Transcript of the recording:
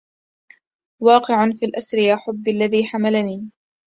واقعٌ في الأسر – يا حبي الذي حمَّلني